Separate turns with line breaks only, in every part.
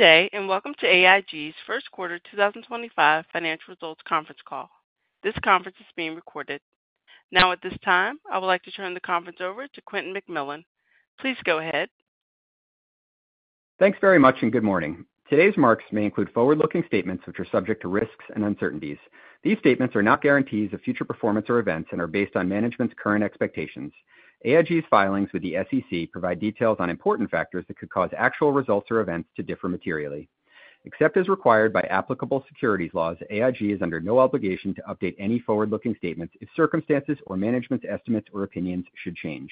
Good day, and welcome to AIG's first quarter 2025 Financial Results Conference Call. This conference is being recorded. Now, at this time, I would like to turn the conference over to Quentin McMillan. Please go ahead.
Thanks very much, and good morning. Today's marks may include forward-looking statements which are subject to risks and uncertainties. These statements are not guarantees of future performance or events and are based on management's current expectations. AIG's filings with the SEC provide details on important factors that could cause actual results or events to differ materially. Except as required by applicable securities laws, AIG is under no obligation to update any forward-looking statements if circumstances or management's estimates or opinions should change.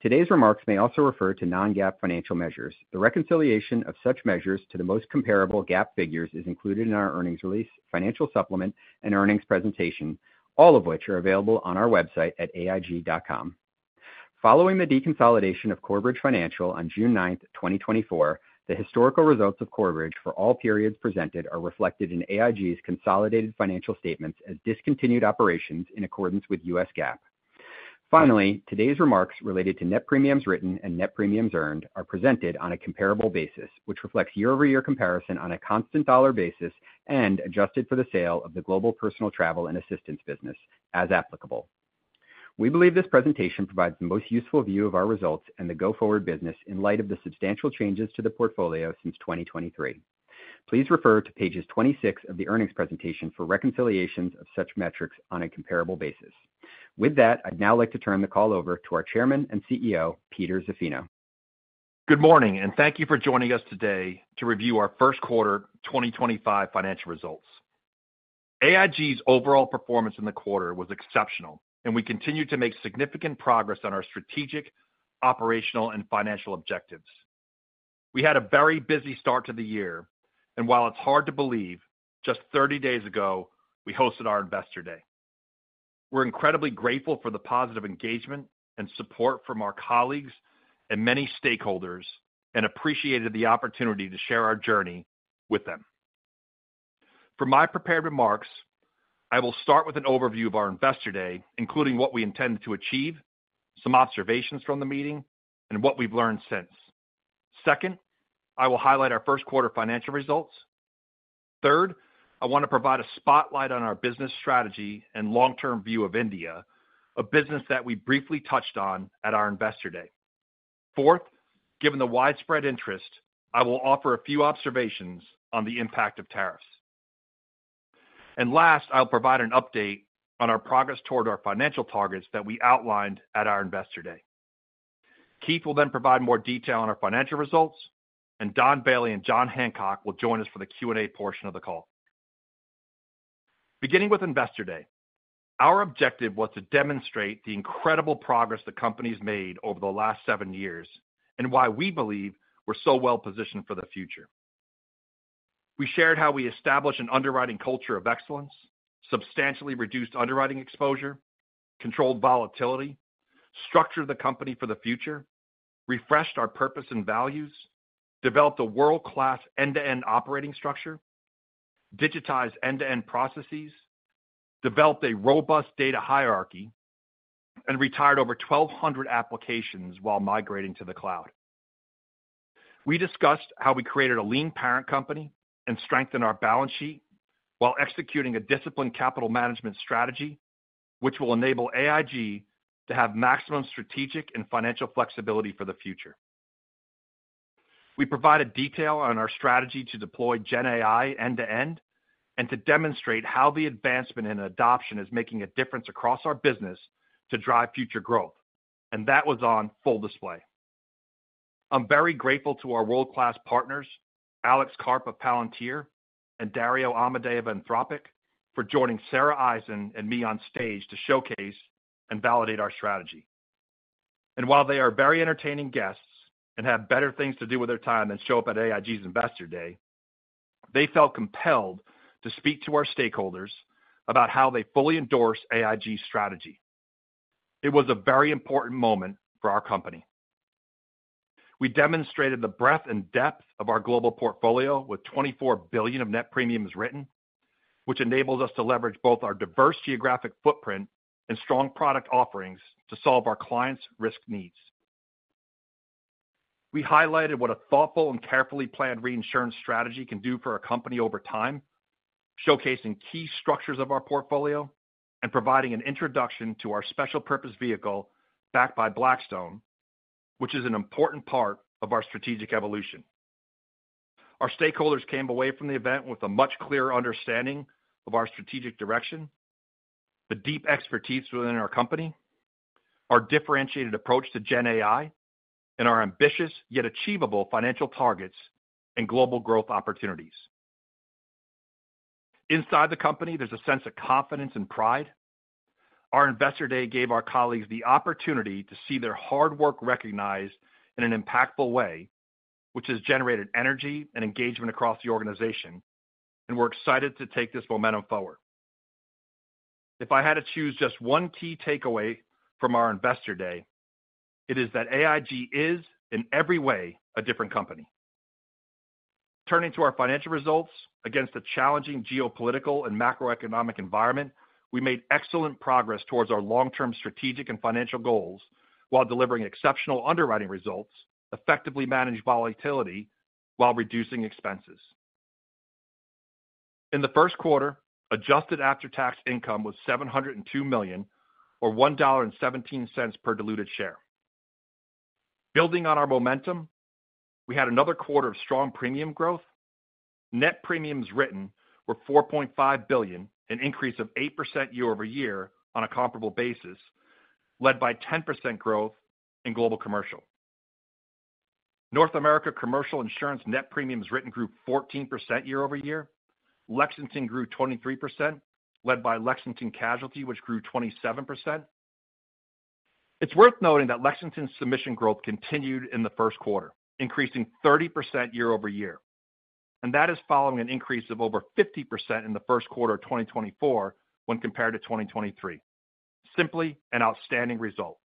Today's remarks may also refer to non-GAAP financial measures. The reconciliation of such measures to the most comparable GAAP figures is included in our earnings release, financial supplement, and earnings presentation, all of which are available on our website at aig.com. Following the deconsolidation of Corebridge Financial on June 9th, 2024, the historical results of Corebridge for all periods presented are reflected in AIG's consolidated financial statements as discontinued operations in accordance with U.S. GAAP. Finally, today's remarks related to net premiums written and net premiums earned are presented on a comparable basis, which reflects year-over-year comparison on a constant dollar basis and adjusted for the sale of the Global Personal travel and assistance business, as applicable. We believe this presentation provides the most useful view of our results and the go-forward business in light of the substantial changes to the portfolio since 2023. Please refer to page 26 of the earnings presentation for reconciliations of such metrics on a comparable basis. With that, I'd now like to turn the call over to our Chairman and CEO, Peter Zaffino.
Good morning, and thank you for joining us today to review our first quarter 2025 financial results. AIG's overall performance in the quarter was exceptional, and we continue to make significant progress on our strategic, operational, and financial objectives. We had a very busy start to the year, and while it's hard to believe, just 30 days ago, we hosted our Investor Day. We're incredibly grateful for the positive engagement and support from our colleagues and many stakeholders and appreciated the opportunity to share our journey with them. For my prepared remarks, I will start with an overview of our Investor Day, including what we intend to achieve, some observations from the meeting, and what we've learned since. Second, I will highlight our first quarter financial results. Third, I want to provide a spotlight on our business strategy and long-term view of India, a business that we briefly touched on at our Investor Day. Fourth, given the widespread interest, I will offer a few observations on the impact of tariffs. Last, I'll provide an update on our progress toward our financial targets that we outlined at our Investor Day. Keith will then provide more detail on our financial results, and Don Bailey and Jon Hancock will join us for the Q&A portion of the call. Beginning with Investor Day, our objective was to demonstrate the incredible progress the company's made over the last seven years and why we believe we're so well-positioned for the future. We shared how we established an underwriting culture of excellence, substantially reduced underwriting exposure, controlled volatility, structured the company for the future, refreshed our purpose and values, developed a world-class end-to-end operating structure, digitized end-to-end processes, developed a robust data hierarchy, and retired over 1,200 applications while migrating to the cloud. We discussed how we created a lean parent company and strengthened our balance sheet while executing a disciplined capital management strategy, which will enable AIG to have maximum strategic and financial flexibility for the future. We provided detail on our strategy to deploy GenAI end-to-end and to demonstrate how the advancement in adoption is making a difference across our business to drive future growth, and that was on full display. I'm very grateful to our world-class partners, Alex Karp of Palantir and Dario Amodei of Anthropic, for joining Sara Eisen and me on stage to showcase and validate our strategy. While they are very entertaining guests and have better things to do with their time than show up at AIG's Investor Day, they felt compelled to speak to our stakeholders about how they fully endorse AIG's strategy. It was a very important moment for our company. We demonstrated the breadth and depth of our global portfolio with $24 billion of net premiums written, which enables us to leverage both our diverse geographic footprint and strong product offerings to solve our clients' risk needs. We highlighted what a thoughtful and carefully planned reinsurance strategy can do for a company over time, showcasing key structures of our portfolio and providing an introduction to our special purpose vehicle backed by Blackstone, which is an important part of our strategic evolution. Our stakeholders came away from the event with a much clearer understanding of our strategic direction, the deep expertise within our company, our differentiated approach to GenAI, and our ambitious yet achievable financial targets and global growth opportunities. Inside the company, there's a sense of confidence and pride. Our Investor Day gave our colleagues the opportunity to see their hard work recognized in an impactful way, which has generated energy and engagement across the organization, and we are excited to take this momentum forward. If I had to choose just one key takeaway from our Investor Day, it is that AIG is, in every way, a different company. Turning to our financial results, against a challenging geopolitical and macroeconomic environment, we made excellent progress towards our long-term strategic and financial goals while delivering exceptional underwriting results, effectively managed volatility, while reducing expenses. In the first quarter, adjusted after-tax income was $702 million, or $1.17 per diluted share. Building on our momentum, we had another quarter of strong premium growth. Net premiums written were $4.5 billion, an increase of 8% year-over-year on a comparable basis, led by 10% growth in global commercial. North America Commercial insurance net premiums written grew 14% year-over-year. Lexington grew 23%, led by Lexington Casualty, which grew 27%. It's worth noting that Lexington's submission growth continued in the first quarter, increasing 30% year-over-year, and that is following an increase of over 50% in the first quarter of 2024 when compared to 2023. Simply an outstanding result.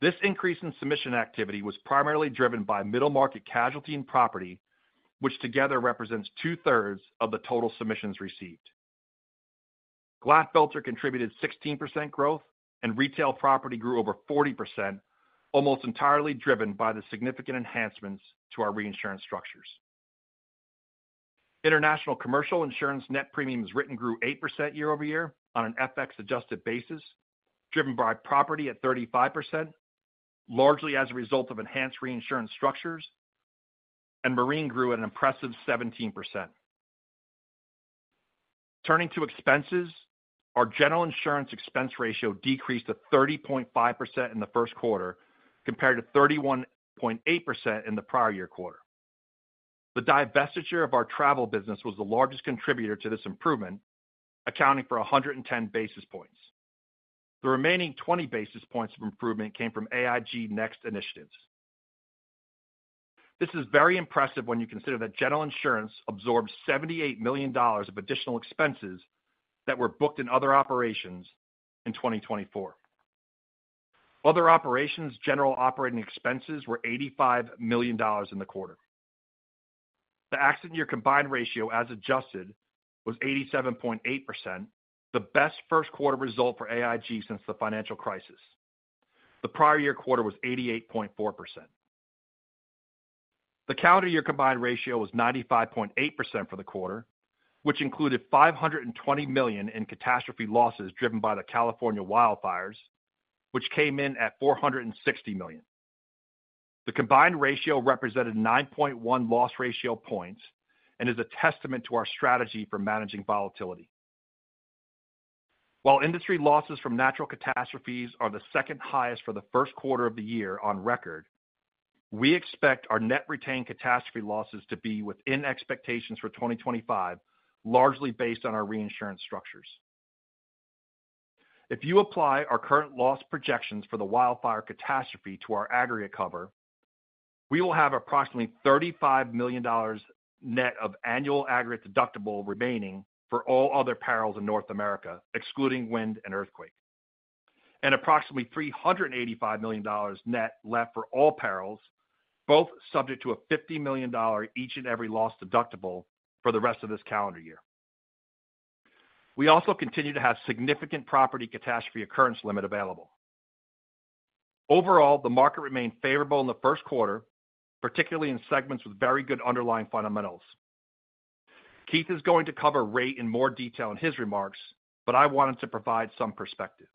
This increase in submission activity was primarily driven by middle market casualty and property, which together represents 2/3 of the total submissions received. Glatfelter contributed 16% growth, and Retail Property grew over 40%, almost entirely driven by the significant enhancements to our reinsurance structures. International Commercial insurance net premiums written grew 8% year-over-year on an FX-adjusted basis, driven by property at 35%, largely as a result of enhanced reinsurance structures, and marine grew an impressive 17%. Turning to expenses, our General Insurance expense ratio decreased to 30.5% in the first quarter compared to 31.8% in the prior year quarter. The divestiture of our travel business was the largest contributor to this improvement, accounting for 110 basis points. The remaining 20 basis points of improvement came from AIG Next initiatives. This is very impressive when you consider that General Insurance absorbed $78 million of additional expenses that were booked in Other Operations in 2024. Other Operations' general operating expenses were $85 million in the quarter. The accident year combined ratio, as adjusted, was 87.8%, the best first quarter result for AIG since the financial crisis. The prior year quarter was 88.4%. The calendar year combined ratio was 95.8% for the quarter, which included $520 million in catastrophe losses driven by the California wildfires, which came in at $460 million. The combined ratio represented 9.1 loss ratio points and is a testament to our strategy for managing volatility. While industry losses from natural catastrophes are the second highest for the first quarter of the year on record, we expect our net retained catastrophe losses to be within expectations for 2025, largely based on our reinsurance structures. If you apply our current loss projections for the wildfire catastrophe to our aggregate cover, we will have approximately $35 million net of annual aggregate deductible remaining for all other perils in North America, excluding wind and earthquake, and approximately $385 million net left for all perils, both subject to a $50 million each and every loss deductible for the rest of this calendar year. We also continue to have significant Property CATastrophe occurrence limit available. Overall, the market remained favorable in the first quarter, particularly in segments with very good underlying fundamentals. Keith is going to cover rate in more detail in his remarks, but I wanted to provide some perspective.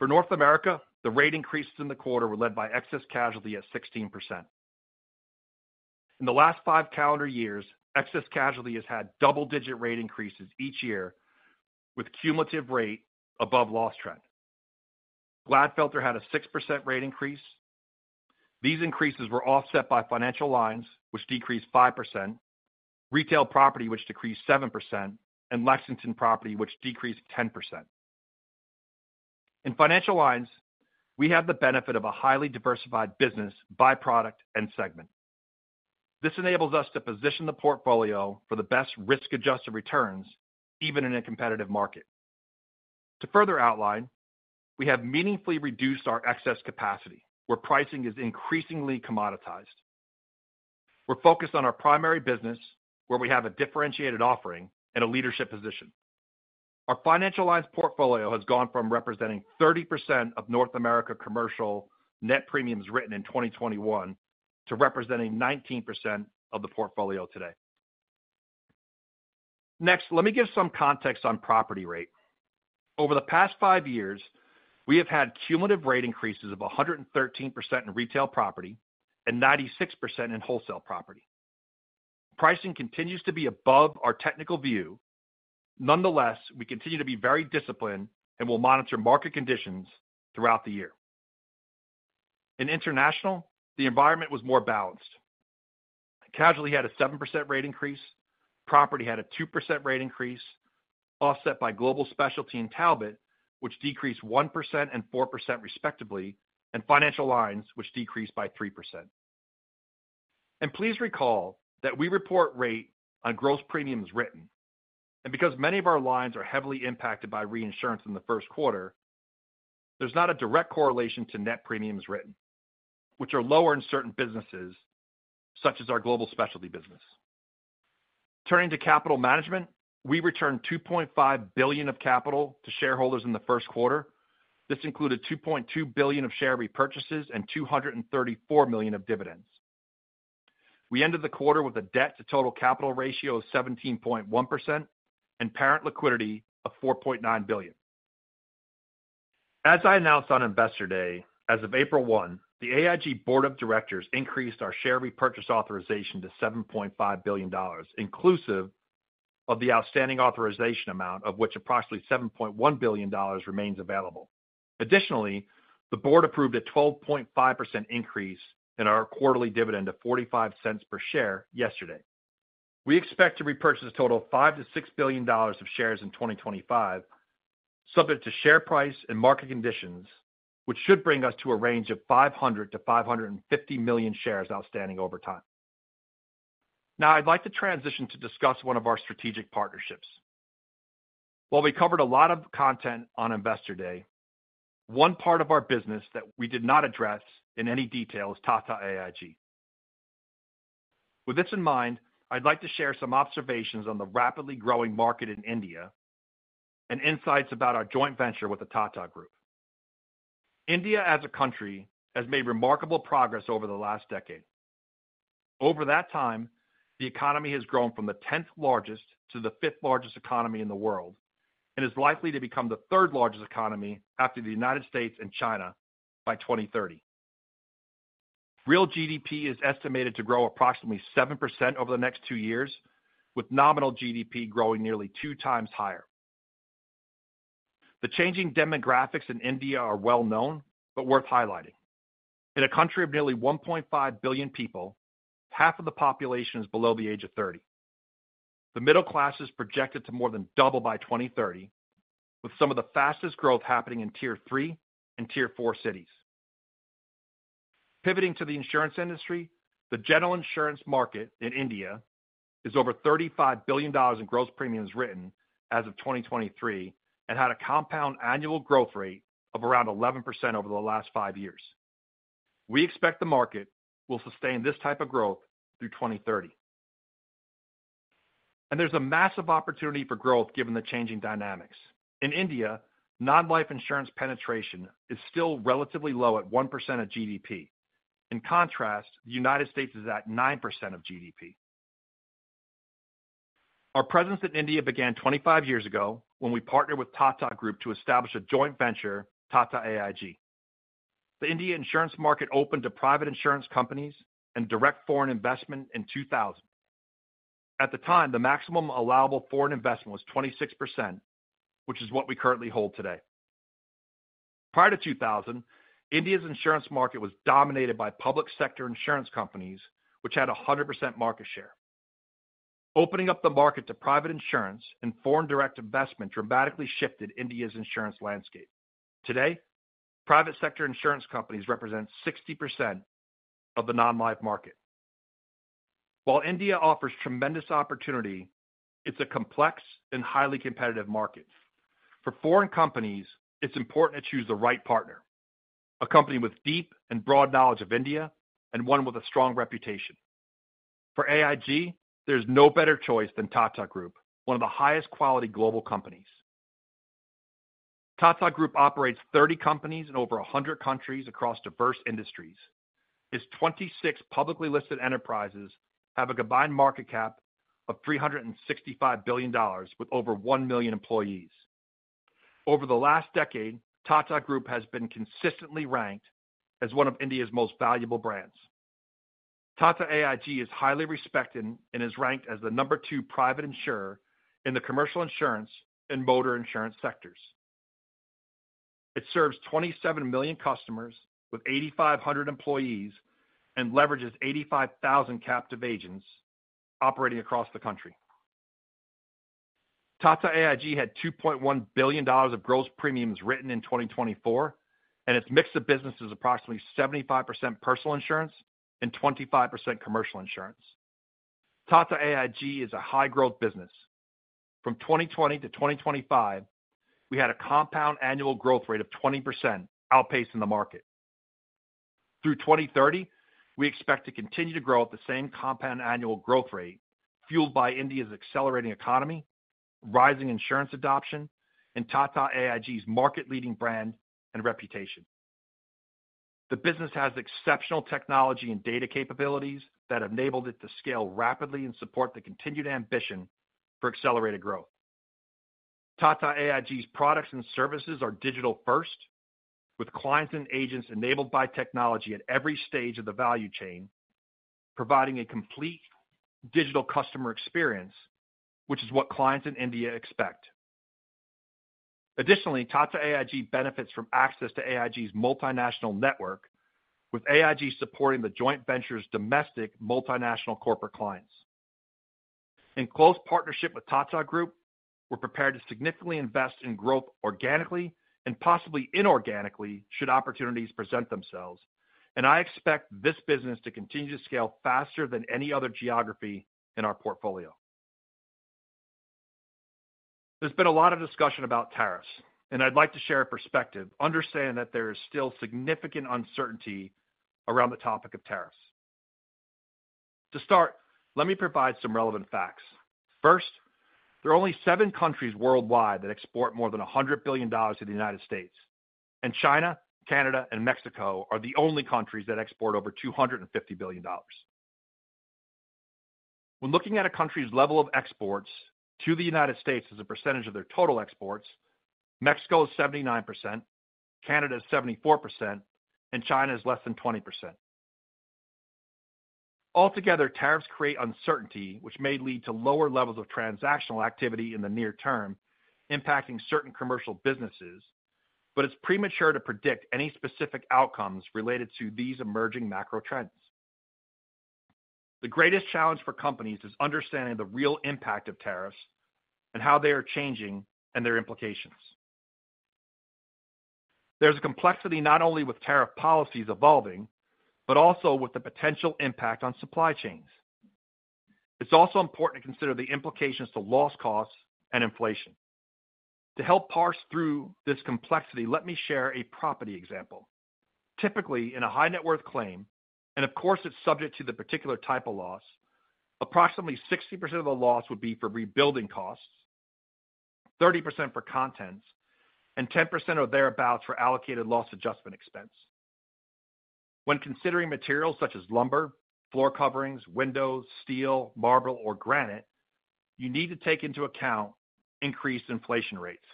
For North America, the rate increases in the quarter were led by excess casualty at 16%. In the last five calendar years, excess casualty has had double-digit rate increases each year, with cumulative rate above loss trend. Glatfelter had a 6% rate increase. These increases were offset by Financial Lines, which decreased 5%, Retail Property, which decreased 7%, and Lexington Property, which decreased 10%. In Financial Lines, we have the benefit of a highly diversified business by product and segment. This enables us to position the portfolio for the best risk-adjusted returns, even in a competitive market. To further outline, we have meaningfully reduced our excess capacity, where pricing is increasingly commoditized. We're focused on our primary business, where we have a differentiated offering and a leadership position. Our Financial Lines portfolio has gone from representing 30% of North America Commercial net premiums written in 2021 to representing 19% of the portfolio today. Next, let me give some context on property rate. Over the past five years, we have had cumulative rate increases of 113% in Retail Property and 96% in Wholesale Property. Pricing continues to be above our technical view. Nonetheless, we continue to be very disciplined and will monitor market conditions throughout the year. In International, the environment was more balanced. Casualty had a 7% rate increase. Property had a 2% rate increase, offset by Global Specialty and Talbot, which decreased 1% and 4% respectively, and Financial Lines, which decreased by 3%. Please recall that we report rate on gross premiums written. Because many of our lines are heavily impacted by reinsurance in the first quarter, there is not a direct correlation to net premiums written, which are lower in certain businesses, such as our Global Specialty business. Turning to capital management, we returned $2.5 billion of capital to shareholders in the first quarter. This included $2.2 billion of share repurchases and $234 million of dividends. We ended the quarter with a debt-to-total capital ratio of 17.1% and parent liquidity of $4.9 billion. As I announced on Investor Day, as of April 1st, the AIG Board of Directors increased our share repurchase authorization to $7.5 billion, inclusive of the outstanding authorization amount, of which approximately $7.1 billion remains available. Additionally, the board approved a 12.5% increase in our quarterly dividend of $0.45 per share yesterday. We expect to repurchase a total of $5 billion-$6 billion of shares in 2025, subject to share price and market conditions, which should bring us to a range of 500 million-550 million shares outstanding over time. Now, I'd like to transition to discuss one of our strategic partnerships. While we covered a lot of content on Investor Day, one part of our business that we did not address in any detail is Tata AIG. With this in mind, I'd like to share some observations on the rapidly growing market in India and insights about our joint venture with the Tata Group. India, as a country, has made remarkable progress over the last decade. Over that time, the economy has grown from the 10th largest to the 5th largest economy in the world and is likely to become the third largest economy after the United States and China by 2030. Real GDP is estimated to grow approximately 7% over the next two years, with nominal GDP growing nearly two times higher. The changing demographics in India are well-known but worth highlighting. In a country of nearly 1.5 billion people, half of the population is below the age of 30. The middle class is projected to more than double by 2030, with some of the fastest growth happening in Tier 3 and Tier 4 cities. Pivoting to the insurance industry, the General Insurance market in India is over $35 billion in gross premiums written as of 2023 and had a compound annual growth rate of around 11% over the last five years. We expect the market will sustain this type of growth through 2030. There is a massive opportunity for growth given the changing dynamics. In India, non-life insurance penetration is still relatively low at 1% of GDP. In contrast, the U.S. is at 9% of GDP. Our presence in India began 25 years ago when we partnered with Tata Group to establish a joint venture, Tata AIG. The India insurance market opened to private insurance companies and direct foreign investment in 2000. At the time, the maximum allowable foreign investment was 26%, which is what we currently hold today. Prior to 2000, India's insurance market was dominated by public sector insurance companies, which had 100% market share. Opening up the market to private insurance and foreign direct investment dramatically shifted India's insurance landscape. Today, private sector insurance companies represent 60% of the non-life market. While India offers tremendous opportunity, it's a complex and highly competitive market. For foreign companies, it's important to choose the right partner, a company with deep and broad knowledge of India and one with a strong reputation. For AIG, there's no better choice than Tata Group, one of the highest quality global companies. Tata Group operates 30 companies in over 100 countries across diverse industries. Its 26 publicly listed enterprises have a combined market cap of $365 billion, with over 1 million employees. Over the last decade, Tata Group has been consistently ranked as one of India's most valuable brands. Tata AIG is highly respected and is ranked as the number two private insurer in the commercial insurance and motor insurance sectors. It serves 27 million customers with 8,500 employees and leverages 85,000 captive agents operating across the country. Tata AIG had $2.1 billion of gross premiums written in 2024, and its mix of business is approximately 75% personal insurance and 25% commercial insurance. Tata AIG is a high-growth business. From 2020 to 2025, we had a compound annual growth rate of 20%, outpacing the market. Through 2030, we expect to continue to grow at the same compound annual growth rate, fueled by India's accelerating economy, rising insurance adoption, and Tata AIG's market-leading brand and reputation. The business has exceptional technology and data capabilities that have enabled it to scale rapidly and support the continued ambition for accelerated growth. Tata AIG's products and services are digital-first, with clients and agents enabled by technology at every stage of the value chain, providing a complete digital customer experience, which is what clients in India expect. Additionally, Tata AIG benefits from access to AIG's multinational network, with AIG supporting the joint venture's domestic multinational corporate clients. In close partnership with Tata Group, we're prepared to significantly invest in growth organically and possibly inorganically should opportunities present themselves. I expect this business to continue to scale faster than any other geography in our portfolio. There's been a lot of discussion about tariffs, and I'd like to share a perspective, understanding that there is still significant uncertainty around the topic of tariffs. To start, let me provide some relevant facts. First, there are only seven countries worldwide that export more than $100 billion to the U.S., and China, Canada, and Mexico are the only countries that export over $250 billion. When looking at a country's level of exports to the United States as a percentage of their total exports, Mexico is 79%, Canada is 74%, and China is less than 20%. Altogether, tariffs create uncertainty, which may lead to lower levels of transactional activity in the near term, impacting certain commercial businesses, but it's premature to predict any specific outcomes related to these emerging macro trends. The greatest challenge for companies is understanding the real impact of tariffs and how they are changing and their implications. There's a complexity not only with tariff policies evolving, but also with the potential impact on supply chains. It's also important to consider the implications to loss costs and inflation. To help parse through this complexity, let me share a property example. Typically, in a high-net-worth claim, and of course, it's subject to the particular type of loss, approximately 60% of the loss would be for rebuilding costs, 30% for contents, and 10% or thereabouts for allocated loss adjustment expense. When considering materials such as lumber, floor coverings, windows, steel, marble, or granite, you need to take into account increased inflation rates.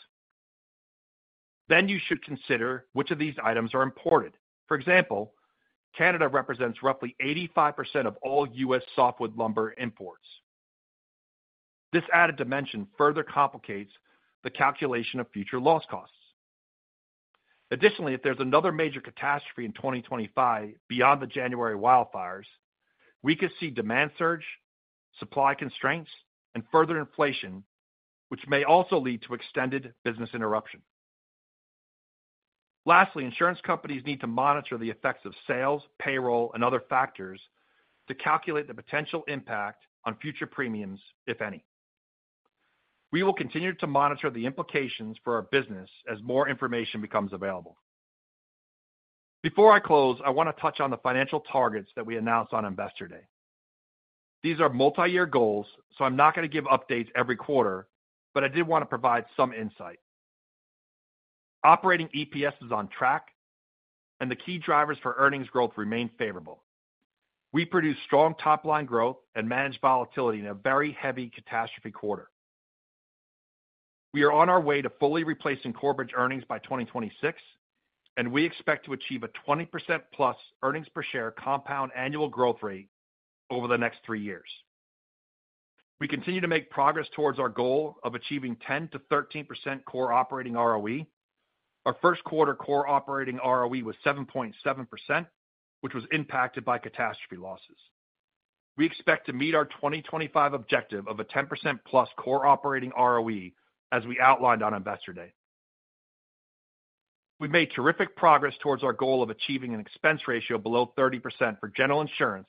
You should consider which of these items are imported. For example, Canada represents roughly 85% of all U.S. softwood lumber imports. This added dimension further complicates the calculation of future loss costs. Additionally, if there's another major catastrophe in 2025 beyond the January wildfires, we could see demand surge, supply constraints, and further inflation, which may also lead to extended business interruption. Lastly, insurance companies need to monitor the effects of sales, payroll, and other factors to calculate the potential impact on future premiums, if any. We will continue to monitor the implications for our business as more information becomes available. Before I close, I want to touch on the financial targets that we announced on Investor Day. These are multi-year goals, so I'm not going to give updates every quarter, but I did want to provide some insight. Operating EPS is on track, and the key drivers for earnings growth remain favorable. We produce strong top-line growth and manage volatility in a very heavy catastrophe quarter. We are on our way to fully replacing corporate earnings by 2026, and we expect to achieve a 20%+ earnings per share compound annual growth rate over the next three years. We continue to make progress towards our goal of achieving 10%-13% core operating ROE. Our first quarter core operating ROE was 7.7%, which was impacted by catastrophe losses. We expect to meet our 2025 objective of a 10%+ core operating ROE, as we outlined on Investor Day. we have made terrific progress towards our goal of achieving an expense ratio below 30% for General Insurance,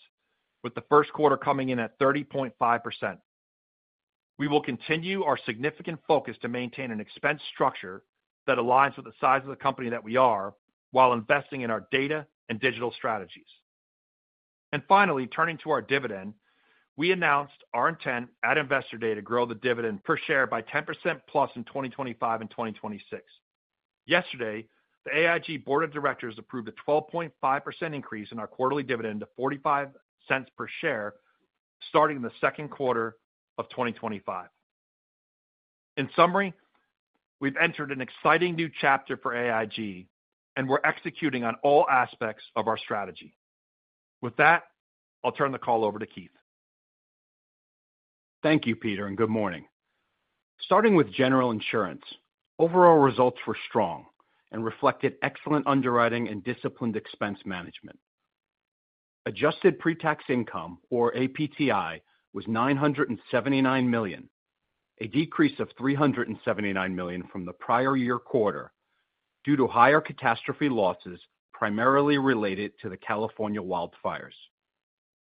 with the first quarter coming in at 30.5%. We will continue our significant focus to maintain an expense structure that aligns with the size of the company that we are while investing in our data and digital strategies. Finally, turning to our dividend, we announced our intent at Investor Day to grow the dividend per share by 10%+ in 2025 and 2026. Yesterday, the AIG Board of Directors approved a 12.5% increase in our quarterly dividend to $0.45 per share starting in the second quarter of 2025. In summary, we have entered an exciting new chapter for AIG, and we are executing on all aspects of our strategy. With that, I'll turn the call over to Keith.
Thank you, Peter, and good morning. Starting with General Insurance, overall results were strong and reflected excellent underwriting and disciplined expense management. Adjusted pre-tax income, or APTI, was $979 million, a decrease of $379 million from the prior year quarter due to higher catastrophe losses primarily related to the California wildfires.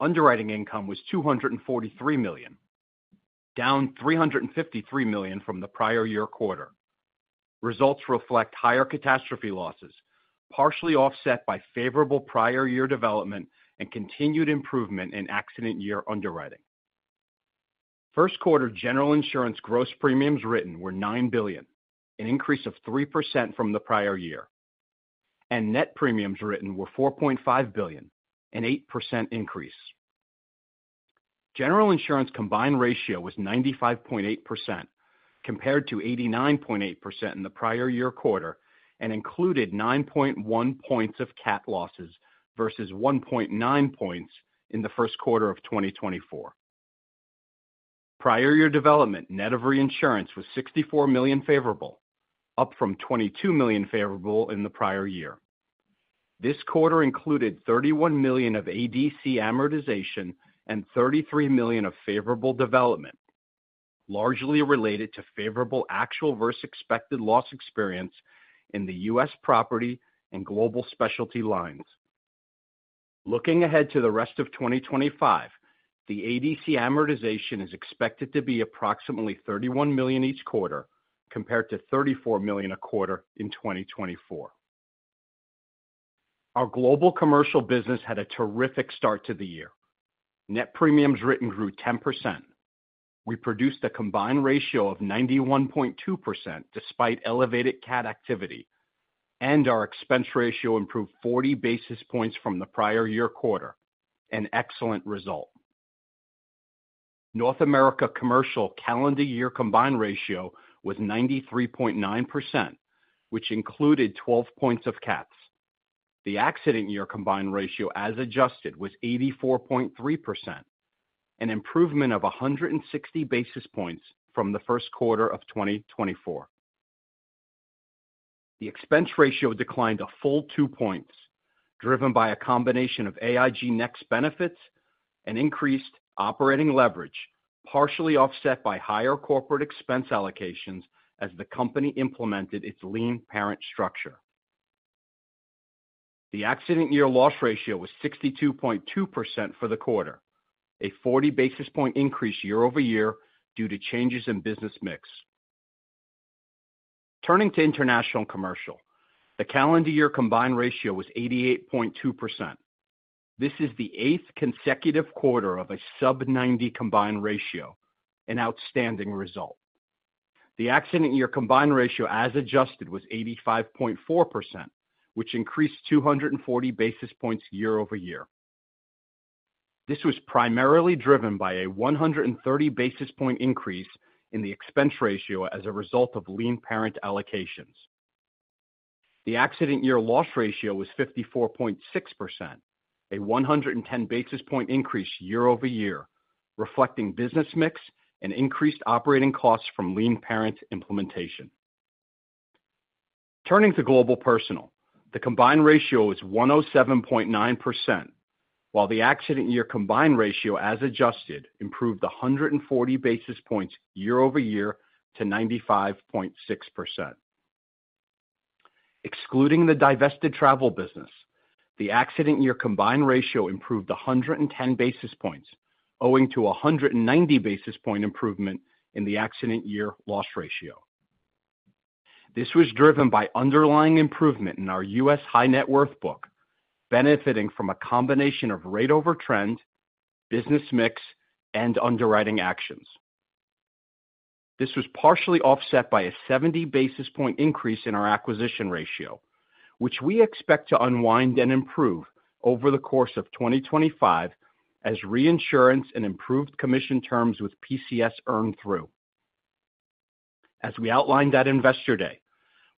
Underwriting income was $243 million, down $353 million from the prior year quarter. Results reflect higher catastrophe losses, partially offset by favorable prior year development and continued improvement in accident year underwriting. first quarter General Insurance gross premiums written were $9 billion, an increase of 3% from the prior year, and net premiums written were $4.5 billion, an 8% increase. General Insurance combined ratio was 95.8% compared to 89.8% in the prior year quarter and included 9.1 percentage points of catastrophe losses versus 1.9 percentage points in the first quarter of 2024. Prior year development net of reinsurance was $64 million favorable, up from $22 million favorable in the prior year. This quarter included $31 million of ADC amortization and $33 million of favorable development, largely related to favorable actual versus expected loss experience in the U.S. property and Global Specialty lines. Looking ahead to the rest of 2025, the ADC amortization is expected to be approximately $31 million each quarter compared to $34 million a quarter in 2024. Our global commercial business had a terrific start to the year. Net premiums written grew 10%. We produced a combined ratio of 91.2% despite elevated cap activity, and our expense ratio improved 40 basis points from the prior year quarter, an excellent result. North America Commercial calendar year combined ratio was 93.9%, which included 12 points of caps. The accident year combined ratio as adjusted was 84.3%, an improvement of 160 basis points from the first quarter of 2024. The expense ratio declined a full two points, driven by a combination of AIG Next benefits and increased operating leverage, partially offset by higher corporate expense allocations as the company implemented its lean parent structure. The accident year loss ratio was 62.2% for the quarter, a 40 basis point increase year-over-year due to changes in business mix. Turning to International Commercial, the calendar year combined ratio was 88.2%. This is the eighth consecutive quarter of a sub-90 combined ratio, an outstanding result. The accident year combined ratio as adjusted was 85.4%, which increased 240 basis points year-over-year. This was primarily driven by a 130 basis point increase in the expense ratio as a result of lean parent allocations. The accident year loss ratio was 54.6%, a 110 basis point increase year-over-year, reflecting business mix and increased operating costs from lean parent implementation. Turning to Global Personal, the combined ratio was 107.9%, while the accident year combined ratio as adjusted improved 140 basis points year-over-year to 95.6%. Excluding the divested travel business, the accident year combined ratio improved 110 basis points, owing to a 190 basis point improvement in the accident year loss ratio. This was driven by underlying improvement in our U.S. high-net-worth book, benefiting from a combination of rate over trend, business mix, and underwriting actions. This was partially offset by a 70 basis point increase in our acquisition ratio, which we expect to unwind and improve over the course of 2025 as reinsurance and improved commission terms with PCS earn through. As we outlined at Investor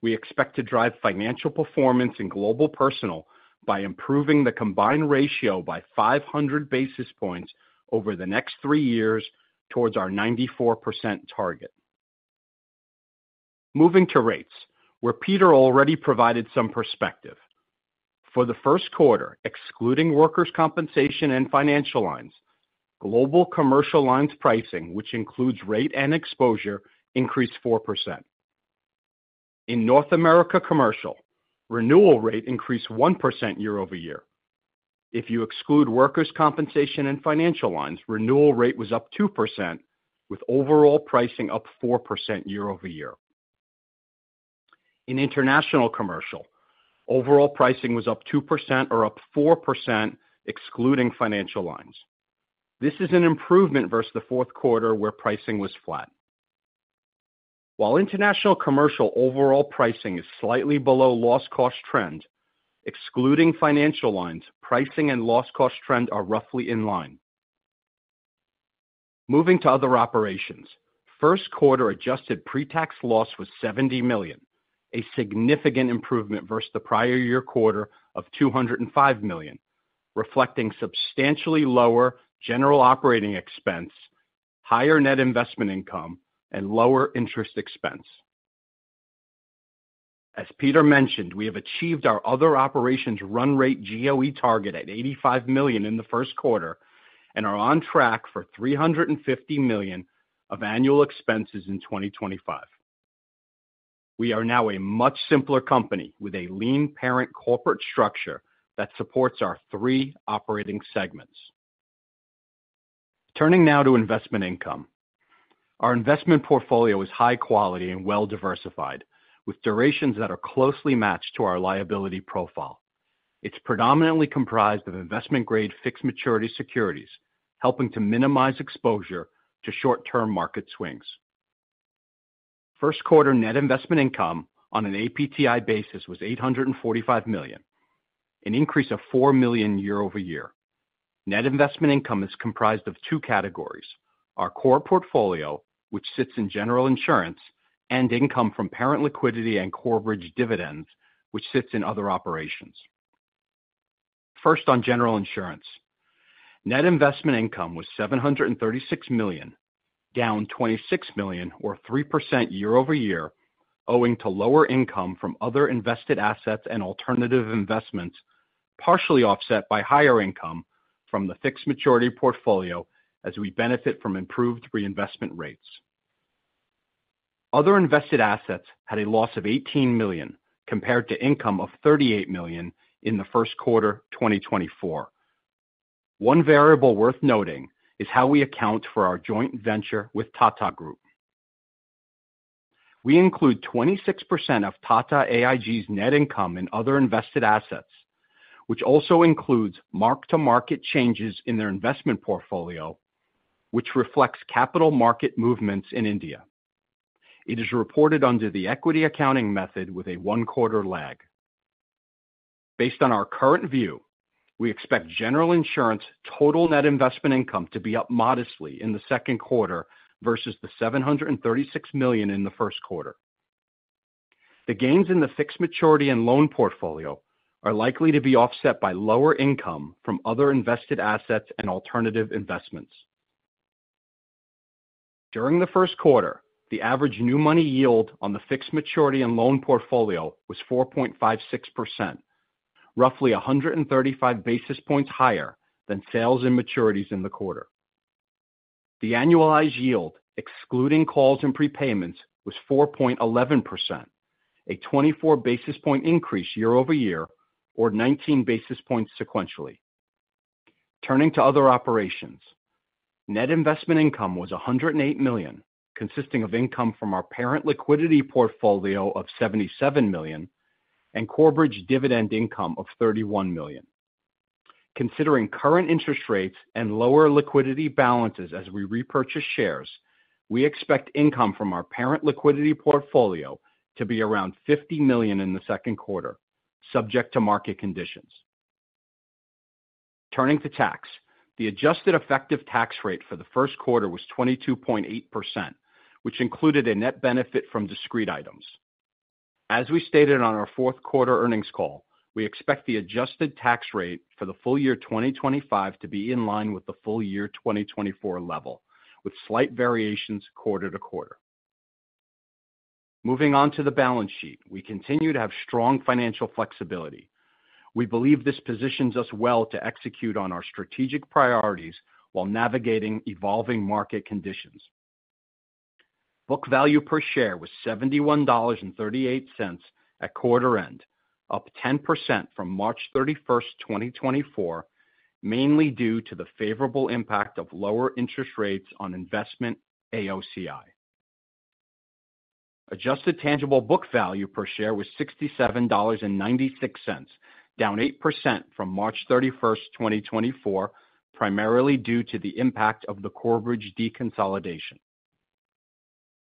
Day, we expect to drive financial performance in Global Personal by improving the combined ratio by 500 basis points over the next three years towards our 94% target. Moving to rates, where Peter already provided some perspective. For the first quarter, excluding workers' compensation and Financial Lines, global commercial lines pricing, which includes rate and exposure, increased 4%. In North America Commercial, renewal rate increased 1% year-over-year. If you exclude workers' compensation and Financial Lines, renewal rate was up 2%, with overall pricing up 4% year-over-year. In International Commercial, overall pricing was up 2% or up 4%, excluding Financial Lines. This is an improvement versus the fourth quarter where pricing was flat. While International Commercial overall pricing is slightly below loss cost trend, excluding Financial Lines, pricing and loss cost trend are roughly in line. Moving to Other Operations, first quarter adjusted pre-tax loss was $70 million, a significant improvement versus the prior year quarter of $205 million, reflecting substantially lower general operating expense, higher net investment income, and lower interest expense. As Peter mentioned, we have achieved our Other Operations run-rate GOE target at $85 million in the first quarter and are on track for $350 million of annual expenses in 2025. We are now a much simpler company with a lean parent corporate structure that supports our three operating segments. Turning now to investment income, our investment portfolio is high quality and well diversified, with durations that are closely matched to our liability profile. It is predominantly comprised of investment-grade fixed maturity securities, helping to minimize exposure to short-term market swings. first quarter net investment income on an APTI basis was $845 million, an increase of $4 million year-over-year. Net investment income is comprised of two categories: our core portfolio, which sits in General Insurance, and income from parent liquidity and Corebridge dividends, which sits in Other Operations. First on General Insurance, net investment income was $736 million, down $26 million, or 3% year-over-year, owing to lower income from other invested assets and alternative investments, partially offset by higher income from the fixed maturity portfolio as we benefit from improved reinvestment rates. Other invested assets had a loss of $18 million compared to income of $38 million in the first quarter 2024. One variable worth noting is how we account for our joint venture with Tata Group. We include 26% of Tata AIG's net income in other invested assets, which also includes mark-to-market changes in their investment portfolio, which reflects capital market movements in India. It is reported under the equity accounting method with a one-quarter lag. Based on our current view, we expect General Insurance total net investment income to be up modestly in the second quarter versus the $736 million in the first quarter. The gains in the fixed maturity and loan portfolio are likely to be offset by lower income from other invested assets and alternative investments. During the first quarter, the average new money yield on the fixed maturity and loan portfolio was 4.56%, roughly 135 basis points higher than sales and maturities in the quarter. The annualized yield, excluding calls and prepayments, was 4.11%, a 24 basis point increase year-over-year, or 19 basis points sequentially. Turning to Other Operations, net investment income was $108 million, consisting of income from our parent liquidity portfolio of $77 million and corporate dividend income of $31 million. Considering current interest rates and lower liquidity balances as we repurchase shares, we expect income from our parent liquidity portfolio to be around $50 million in the second quarter, subject to market conditions. Turning to tax, the adjusted effective tax rate for the first quarter was 22.8%, which included a net benefit from discrete items. As we stated on our fourth quarter earnings call, we expect the adjusted tax rate for the full year 2025 to be in line with the full year 2024 level, with slight variations quarter to quarter. Moving on to the balance sheet, we continue to have strong financial flexibility. We believe this positions us well to execute on our strategic priorities while navigating evolving market conditions. Book value per share was $71.38 at quarter end, up 10% from March 31, 2024, mainly due to the favorable impact of lower interest rates on investment AOCI. Adjusted tangible book value per share was $67.96, down 8% from March 31st, 2024, primarily due to the impact of the corporate deconsolidation.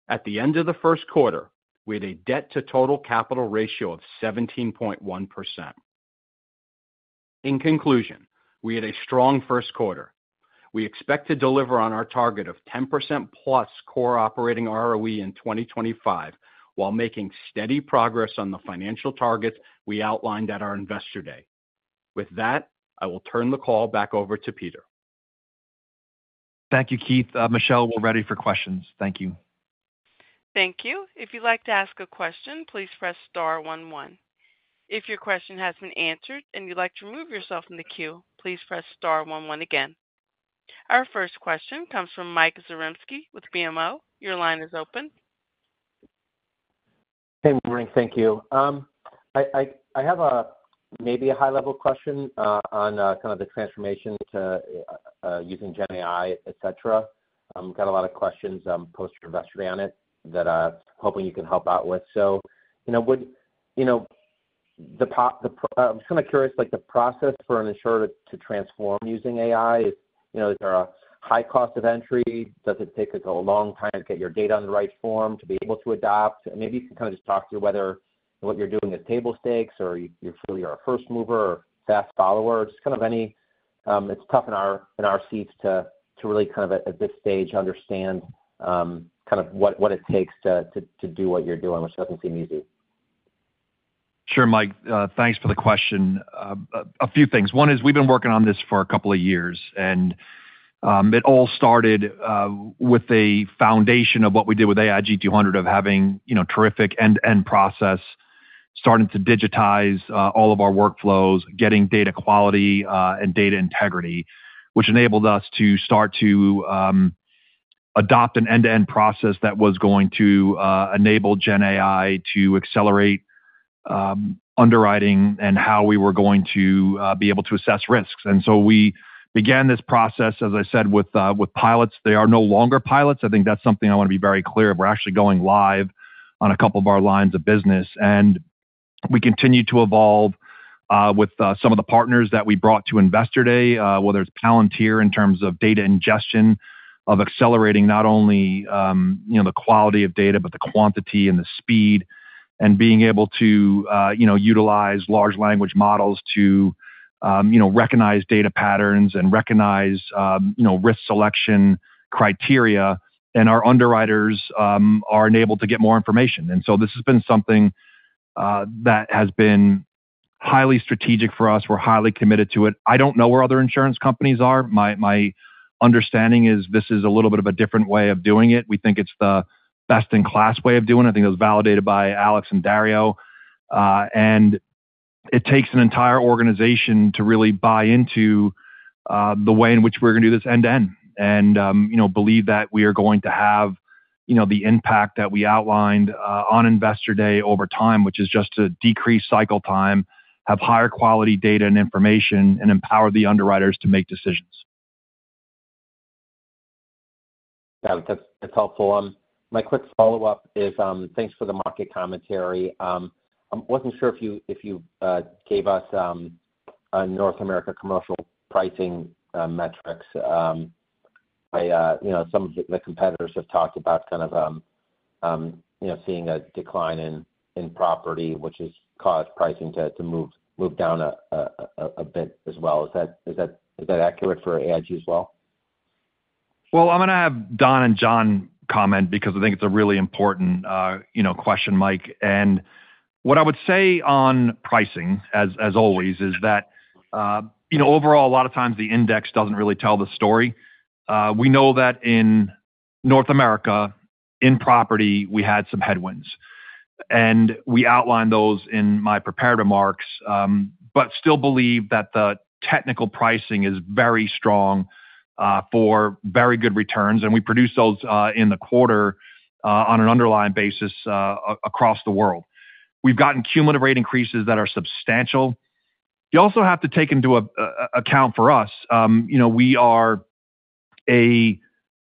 At the end of the first quarter, we had a debt to total capital ratio of 17.1%. In conclusion, we had a strong first quarter. We expect to deliver on our target of 10%+ core operating ROE in 2025 while making steady progress on the financial targets we outlined at our Investor Day. With that, I will turn the call back over to Peter.
Thank you, Keith. Michelle, we're ready for questions. Thank you.
Thank you. If you'd like to ask a question, please press star one one. If your question has been answered and you'd like to remove yourself from the queue, please press star one one again. Our first question comes from Mike Zaremski with BMO. Your line is open.
Hey, morning. Thank you. I have maybe a high-level question on kind of the transformation to using GenAI, et cetera. I've got a lot of questions post-Investor Day on it that I'm hoping you can help out with. I'm just kind of curious, the process for an insurer to transform using AI, is there a high cost of entry? Does it take a long time to get your data on the right form to be able to adopt? Maybe you can kind of just talk through whether what you're doing is table stakes or you're truly a first mover or fast follower, just kind of any—it's tough in our seats to really kind of, at this stage, understand kind of what it takes to do what you're doing, which doesn't seem easy.
Sure, Mike. Thanks for the question. A few things. One is we've been working on this for a couple of years, and it all started with the foundation of what we did with AIG 200, of having terrific end-to-end process, starting to digitize all of our workflows, getting data quality and data integrity, which enabled us to start to adopt an end-to-end process that was going to enable GenAI to accelerate underwriting and how we were going to be able to assess risks. We began this process, as I said, with pilots. They are no longer pilots. I think that's something I want to be very clear of. We're actually going live on a couple of our lines of business. We continue to evolve with some of the partners that we brought to Investor Day, whether it's Palantir in terms of data ingestion, of accelerating not only the quality of data, but the quantity and the speed, and being able to utilize large language models to recognize data patterns and recognize risk selection criteria. Our underwriters are enabled to get more information. This has been something that has been highly strategic for us. We're highly committed to it. I don't know where other insurance companies are. My understanding is this is a little bit of a different way of doing it. We think it's the best-in-class way of doing it. I think it was validated by Alex and Dario. It takes an entire organization to really buy into the way in which we're going to do this end-to-end and believe that we are going to have the impact that we outlined on Investor Day over time, which is just to decrease cycle time, have higher quality data and information, and empower the underwriters to make decisions.
That's helpful. My quick follow-up is thanks for the market commentary. I wasn't sure if you gave us North America Commercial pricing metrics. Some of the competitors have talked about kind of seeing a decline in property, which has caused pricing to move down a bit as well. Is that accurate for AIG as well?
I am going to have Don and Jon comment because I think it's a really important question, Mike. What I would say on pricing, as always, is that overall, a lot of times the index does not really tell the story. We know that in North America, in property, we had some headwinds. We outlined those in my prepared remarks, but still believe that the technical pricing is very strong for very good returns. We produce those in the quarter on an underlying basis across the world. We have gotten cumulative rate increases that are substantial. You also have to take into account for us, we are a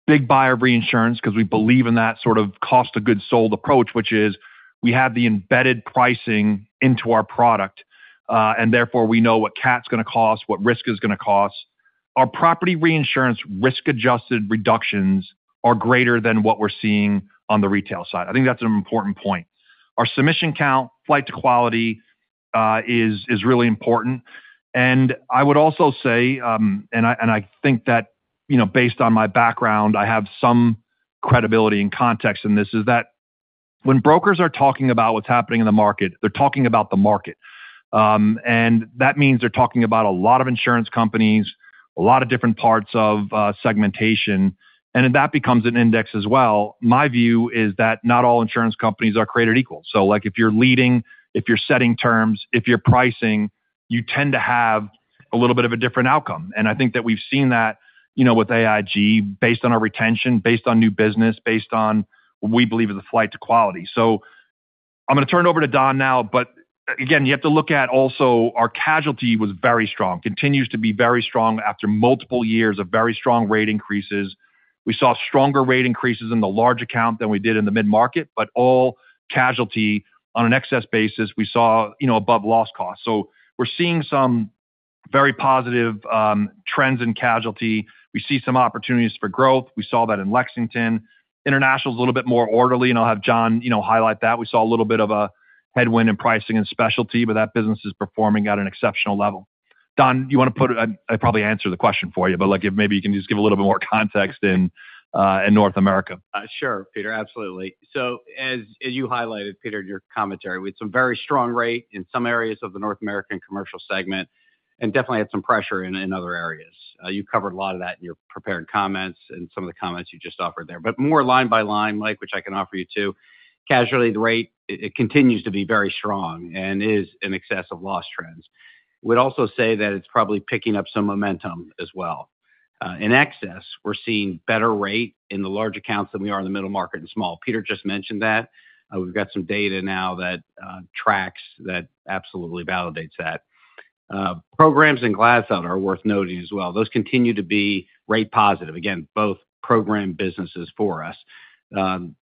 big buyer of reinsurance because we believe in that sort of cost-to-goods sold approach, which is we have the embedded pricing into our product, and therefore we know what cat is going to cost, what risk is going to cost. Our property reinsurance risk-adjusted reductions are greater than what we are seeing on the retail side. I think that's an important point. Our submission count, flight to quality is really important. I would also say, and I think that based on my background, I have some credibility and context in this, is that when brokers are talking about what's happening in the market, they're talking about the market. That means they're talking about a lot of insurance companies, a lot of different parts of segmentation. That becomes an index as well. My view is that not all insurance companies are created equal. If you're leading, if you're setting terms, if you're pricing, you tend to have a little bit of a different outcome. I think that we've seen that with AIG, based on our retention, based on new business, based on what we believe is the flight to quality. I'm going to turn it over to Don now. Again, you have to look at also our casualty was very strong, continues to be very strong after multiple years of very strong rate increases. We saw stronger rate increases in the large account than we did in the mid-market, but all casualty on an excess basis, we saw above loss costs. So we're seeing some very positive trends in casualty. We see some opportunities for growth. We saw that in Lexington. International is a little bit more orderly, and I'll have John highlight that. We saw a little bit of a headwind in pricing and specialty, but that business is performing at an exceptional level. Don, do you want to put I probably answered the question for you, but maybe you can just give a little bit more context in North America.
Sure, Peter. Absolutely. As you highlighted, Peter, in your commentary, we had some very strong rate in some areas of the North American Commercial segment and definitely had some pressure in other areas. You covered a lot of that in your prepared comments and some of the comments you just offered there. More line by line, Mike, which I can offer you too, casualty rate, it continues to be very strong and is in excess of loss trends. We'd also say that it's probably picking up some momentum as well. In excess, we're seeing better rate in the large accounts than we are in the middle market and small. Peter just mentioned that. We've got some data now that tracks that absolutely validates that. Programs in Glatfelter are worth noting as well. Those continue to be rate positive, again, both program businesses for us.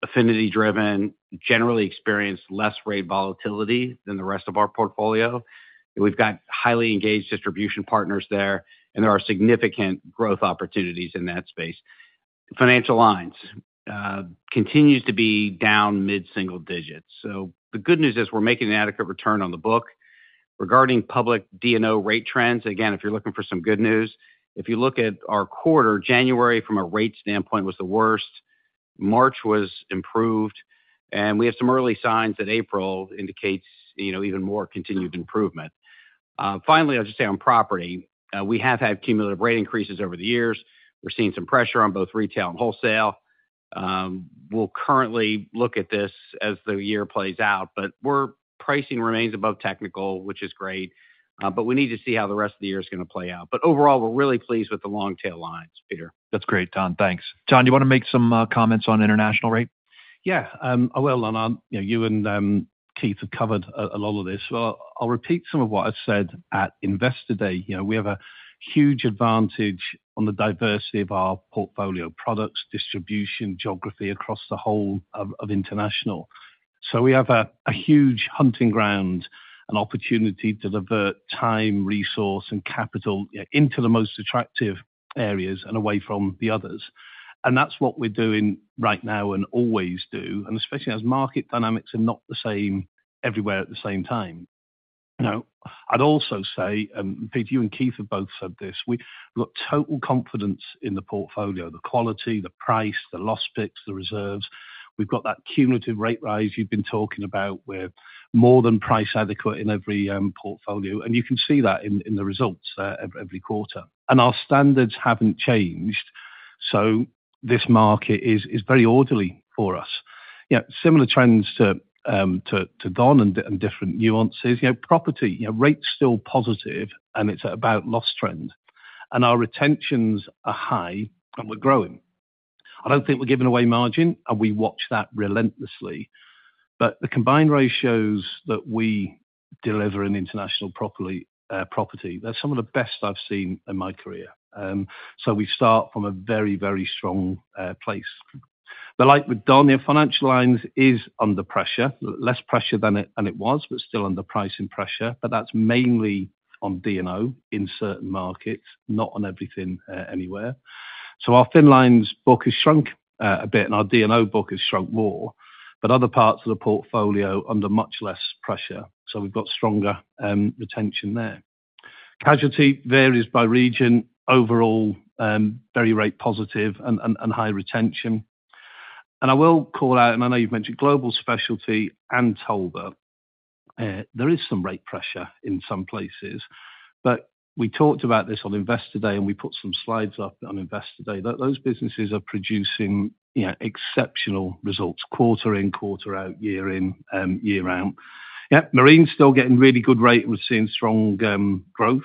Affinity-driven, generally experienced less rate volatility than the rest of our portfolio. We've got highly engaged distribution partners there, and there are significant growth opportunities in that space. Financial Lines continue to be down mid-single digits. The good news is we're making an adequate return on the book. Regarding public D&O rate trends, again, if you're looking for some good news, if you look at our quarter, January from a rate standpoint was the worst. March was improved, and we have some early signs that April indicates even more continued improvement. Finally, I'll just say on property, we have had cumulative rate increases over the years. We're seeing some pressure on both retail and wholesale. We currently look at this as the year plays out, but our pricing remains above technical, which is great. We need to see how the rest of the year is going to play out. Overall, we're really pleased with the long tail lines, Peter.
That's great, Don. Thanks. Jon, do you want to make some comments on international rate?
Yeah. You and Keith have covered a lot of this. I'll repeat some of what I said at Investor Day. We have a huge advantage on the diversity of our portfolio products, distribution, geography across the whole of international. We have a huge hunting ground and opportunity to divert time, resource, and capital into the most attractive areas and away from the others. That is what we're doing right now and always do, especially as market dynamics are not the same everywhere at the same time. Now, I'd also say, Peter, you and Keith have both said this, we've got total confidence in the portfolio, the quality, the price, the loss picks, the reserves. We've got that cumulative rate rise you've been talking about. We're more than price adequate in every portfolio. You can see that in the results every quarter. Our standards haven't changed. This market is very orderly for us. Similar trends to Don and different nuances. Property, rate's still positive, and it's about loss trend. Our retentions are high, and we're growing. I don't think we're giving away margin, and we watch that relentlessly. The combined ratios that we deliver in international property, they're some of the best I've seen in my career. We start from a very, very strong place. Like with Don, Financial Lines is under pressure, less pressure than it was, but still under pricing pressure. That is mainly on D&O in certain markets, not on everything anywhere. Our fin lines book has shrunk a bit, and our D&O book has shrunk more. Other parts of the portfolio are under much less pressure. We have got stronger retention there. Casualty varies by region. Overall, very rate positive and high retention. I will call out, and I know you have mentioned Global Specialty and Talbot. There is some rate pressure in some places. We talked about this on Investor Day, and we put some slides up on Investor Day. Those businesses are producing exceptional results, quarter in, quarter out, year in, year out. Marine is still getting really good rate. We are seeing strong growth.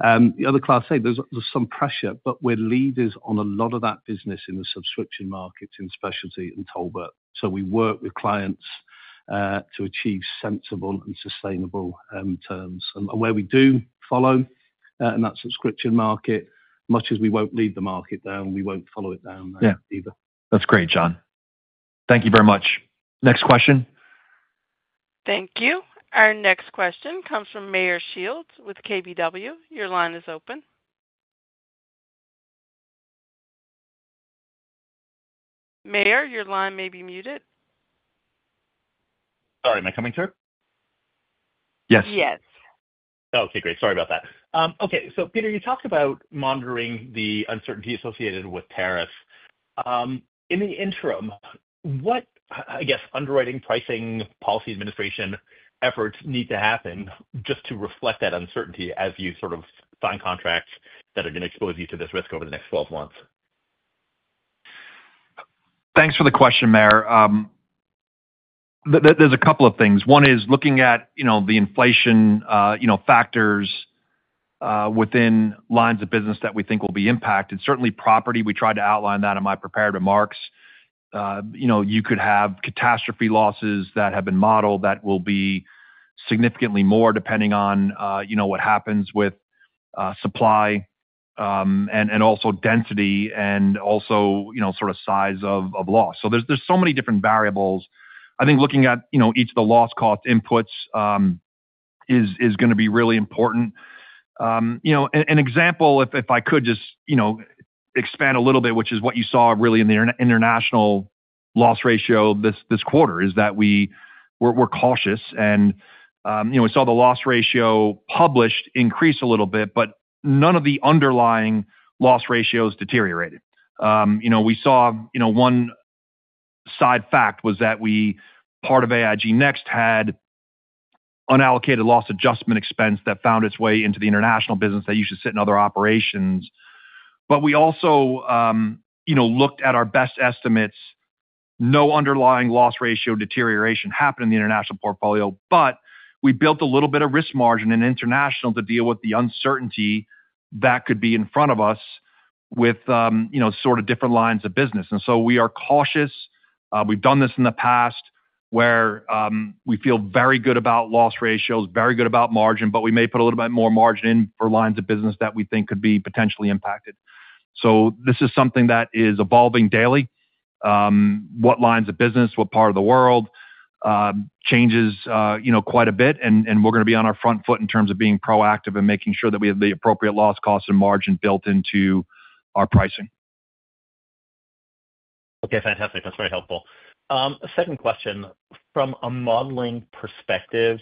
The other class, there's some pressure, but we're leaders on a lot of that business in the subscription markets in specialty and Talbot. We work with clients to achieve sensible and sustainable terms. Where we do follow in that subscription market, much as we won't lead the market down, we won't follow it down either.
That's great, Jon. Thank you very much. Next question.
Thank you. Our next question comes from Meyer Shields with KBW. Your line is open. Meyer, your line may be muted.
Sorry, am I coming through?
Yes.
Yes.
Okay, great. Sorry about that. Okay. Peter, you talked about monitoring the uncertainty associated with tariffs. In the interim, what, I guess, underwriting, pricing, policy administration efforts need to happen just to reflect that uncertainty as you sort of sign contracts that are going to expose you to this risk over the next 12 months?
Thanks for the question, Meyer. There's a couple of things. One is looking at the inflation factors within lines of business that we think will be impacted. Certainly, property, we tried to outline that in my prepared remarks. You could have catastrophe losses that have been modeled that will be significantly more depending on what happens with supply and also density and also sort of size of loss. There are so many different variables. I think looking at each of the loss cost inputs is going to be really important. An example, if I could just expand a little bit, which is what you saw really in the international loss ratio this quarter, is that we're cautious. We saw the loss ratio published increase a little bit, but none of the underlying loss ratios deteriorated. We saw one side fact was that part of AIG Next had unallocated loss adjustment expense that found its way into the international business that used to sit in Other Operations. We also looked at our best estimates. No underlying loss ratio deterioration happened in the international portfolio, but we built a little bit of risk margin in international to deal with the uncertainty that could be in front of us with sort of different lines of business. We are cautious. We've done this in the past where we feel very good about loss ratios, very good about margin, but we may put a little bit more margin in for lines of business that we think could be potentially impacted. This is something that is evolving daily. What lines of business, what part of the world changes quite a bit, and we're going to be on our front foot in terms of being proactive and making sure that we have the appropriate loss cost and margin built into our pricing.
Okay. Fantastic. That's very helpful. Second question. From a modeling perspective,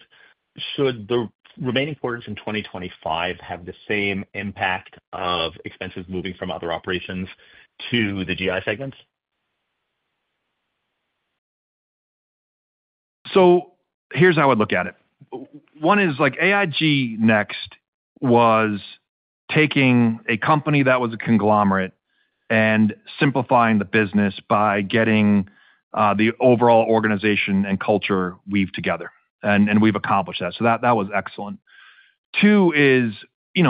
should the remaining quarters in 2025 have the same impact of expenses moving from Other Operations to the GI segments?
Here's how I would look at it. One is AIG Next was taking a company that was a conglomerate and simplifying the business by getting the overall organization and culture weaved together. We've accomplished that. That was excellent. Two is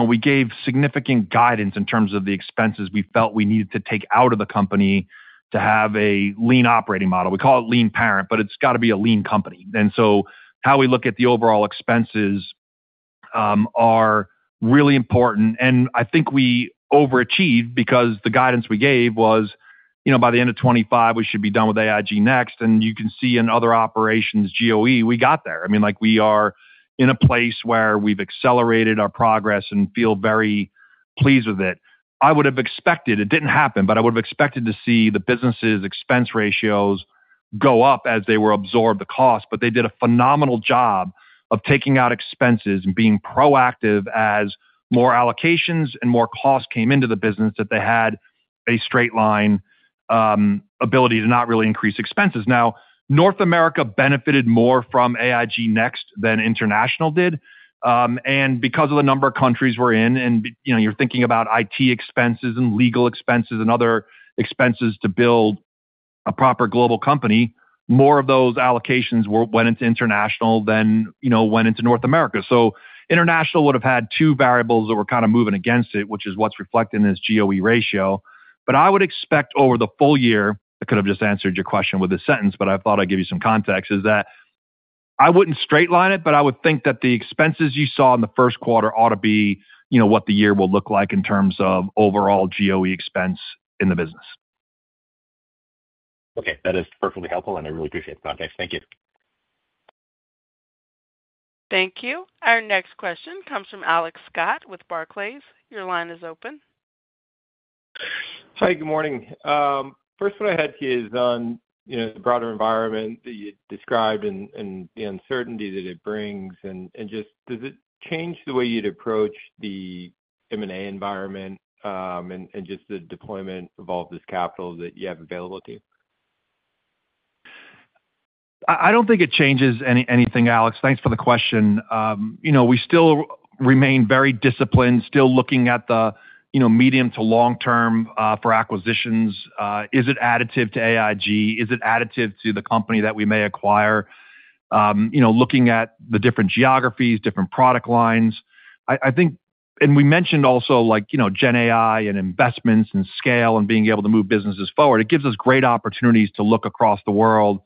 we gave significant guidance in terms of the expenses we felt we needed to take out of the company to have a lean operating model. We call it lean parent, but it's got to be a lean company. How we look at the overall expenses are really important. I think we overachieved because the guidance we gave was by the end of 2025, we should be done with AIG Next. You can see in Other Operations, GOE, we got there. I mean, we are in a place where we've accelerated our progress and feel very pleased with it. I would have expected it didn't happen, but I would have expected to see the businesses' expense ratios go up as they were absorbed the cost. They did a phenomenal job of taking out expenses and being proactive as more allocations and more costs came into the business that they had a straight line ability to not really increase expenses. North America benefited more from AIG Next than international did. Because of the number of countries we are in, and you are thinking about IT expenses and legal expenses and other expenses to build a proper global company, more of those allocations went into international than went into North America. International would have had two variables that were kind of moving against it, which is what is reflected in this GOE ratio. I would expect over the full year—I could have just answered your question with a sentence, but I thought I would give you some context—is that I would not straight line it, but I would think that the expenses you saw in the first quarter ought to be what the year will look like in terms of overall GOE expense in the business.
Okay. That is perfectly helpful, and I really appreciate the context. Thank you.
Thank you. Our next question comes from Alex Scott with Barclays. Your line is open.
Hi. Good morning. First, what I had here is on the broader environment that you described and the uncertainty that it brings. Just does it change the way you'd approach the M&A environment and just the deployment of all this capital that you have available to you?
I don't think it changes anything, Alex. Thanks for the question. We still remain very disciplined, still looking at the medium to long term for acquisitions. Is it additive to AIG? Is it additive to the company that we may acquire? Looking at the different geographies, different product lines. We mentioned also GenAI and investments and scale and being able to move businesses forward. It gives us great opportunities to look across the world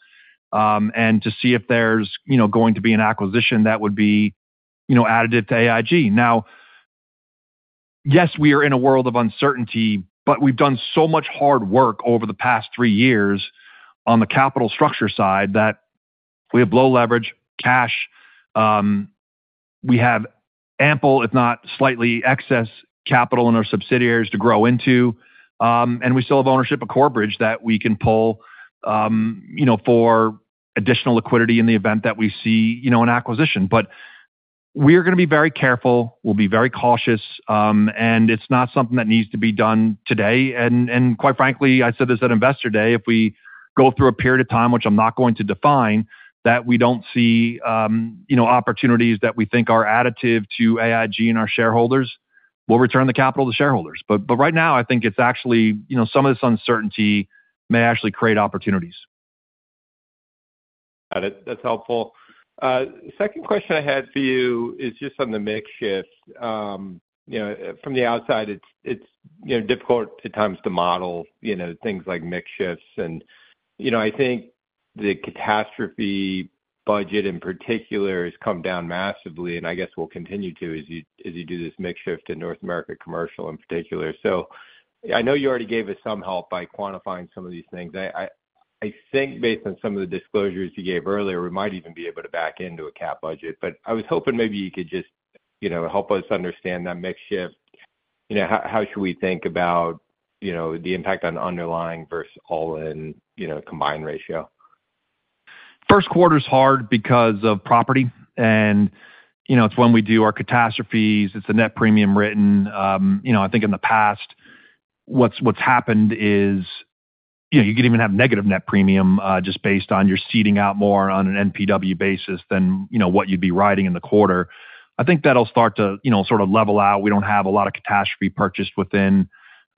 and to see if there's going to be an acquisition that would be additive to AIG. Now, yes, we are in a world of uncertainty, but we've done so much hard work over the past three years on the capital structure side that we have low leverage, cash. We have ample, if not slightly excess capital in our subsidiaries to grow into. We still have ownership of Corbridge that we can pull for additional liquidity in the event that we see an acquisition. We are going to be very careful. We'll be very cautious. It's not something that needs to be done today. Quite frankly, I said this at Investor Day, if we go through a period of time, which I'm not going to define, that we don't see opportunities that we think are additive to AIG and our shareholders, we'll return the capital to shareholders. Right now, I think it's actually some of this uncertainty may actually create opportunities.
Got it. That's helpful. Second question I had for you is just on the make shift. From the outside, it's difficult at times to model things like make shifts. I think the catastrophe budget in particular has come down massively, and I guess will continue to as you do this make shift in North America Commercial in particular. I know you already gave us some help by quantifying some of these things. I think based on some of the disclosures you gave earlier, we might even be able to back into a cap budget. I was hoping maybe you could just help us understand that make shift. How should we think about the impact on underlying versus all-in combined ratio?
first quarter is hard because of property. It's when we do our catastrophes. It's a net premium written. I think in the past, what's happened is you could even have negative net premium just based on you're seeding out more on an NPW basis than what you'd be writing in the quarter. I think that'll start to sort of level out. We don't have a lot of catastrophe purchased within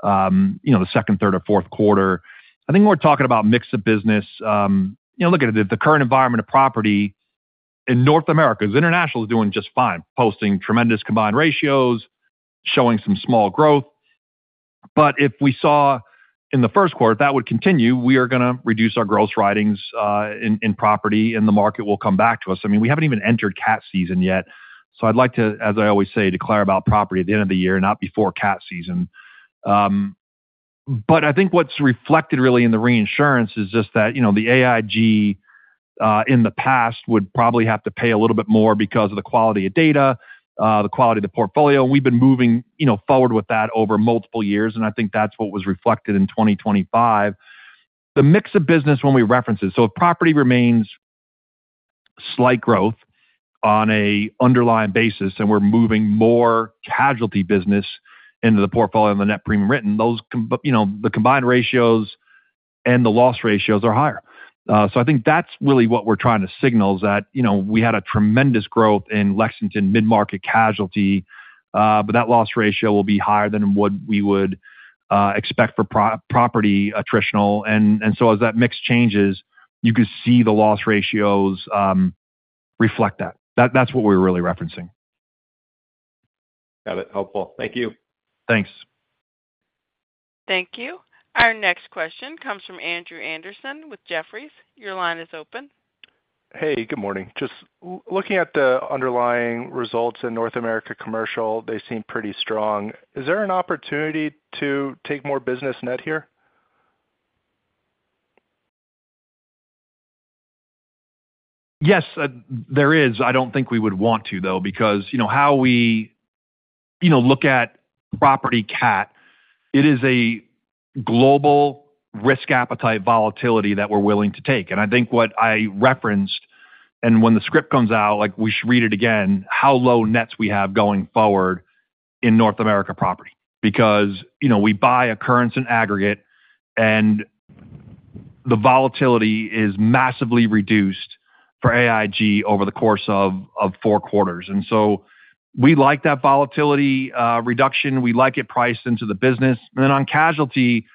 the second, third, or fourth quarter. I think we're talking about mixed business. Look at the current environment of property in North America. International is doing just fine, posting tremendous combined ratios, showing some small growth. If we saw in the first quarter that would continue, we are going to reduce our gross writings in property, and the market will come back to us. I mean, we haven't even entered cat season yet. I like to, as I always say, declare about property at the end of the year, not before cat season. I think what's reflected really in the reinsurance is just that AIG in the past would probably have to pay a little bit more because of the quality of data, the quality of the portfolio. We've been moving forward with that over multiple years, and I think that's what was reflected in 2025. The mix of business when we reference it, if property remains slight growth on an underlying basis and we're moving more casualty business into the portfolio and the net premium written, the combined ratios and the loss ratios are higher. I think that's really what we're trying to signal is that we had a tremendous growth in Lexington mid-market casualty, but that loss ratio will be higher than what we would expect for property attritional. As that mix changes, you can see the loss ratios reflect that. That's what we're really referencing.
Got it. Helpful. Thank you.
Thanks.
Thank you. Our next question comes from Andrew Andersen with Jefferies. Your line is open.
Hey, good morning. Just looking at the underlying results in North America Commercial, they seem pretty strong. Is there an opportunity to take more business net here?
Yes, there is. I don't think we would want to, though, because how we look at Property CAT, it is a global risk appetite volatility that we're willing to take. I think what I referenced, and when the script comes out, we should read it again, how low nets we have going forward in North America Property because we buy a currency and aggregate, and the volatility is massively reduced for AIG over the course of four quarters. We like that volatility reduction. We like it priced into the business. On Casualty,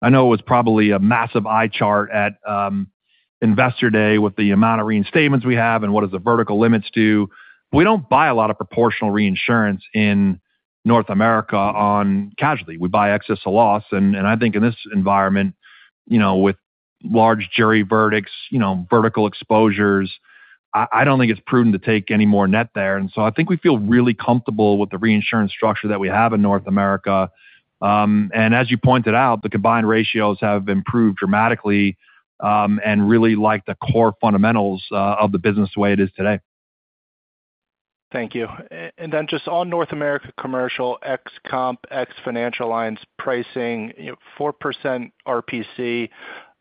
I know it was probably a massive eye chart at Investor Day with the amount of reinstatements we have and what does the vertical limits do. We do not buy a lot of proportional reinsurance in North America on Casualty. We buy excess to loss. I think in this environment with large jury verdicts, vertical exposures, I do not think it is prudent to take any more net there. I think we feel really comfortable with the reinsurance structure that we have in North America. As you pointed out, the combined ratios have improved dramatically and really like the core fundamentals of the business the way it is today.
Thank you. Just on North America Commercial, ex-comp, ex-Financial Lines pricing, 4% RPC.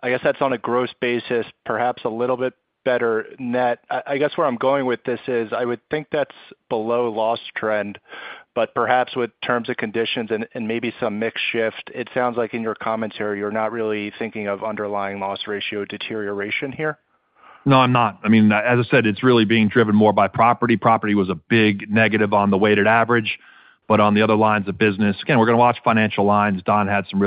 I guess that is on a gross basis, perhaps a little bit better net. I guess where I'm going with this is I would think that's below loss trend, but perhaps with terms and conditions and maybe some make shift, it sounds like in your commentary, you're not really thinking of underlying loss ratio deterioration here.
No, I'm not. I mean, as I said, it's really being driven more by property. Property was a big negative on the weighted average. On the other lines of business, again, we're going to watch Financial Lines. Don had some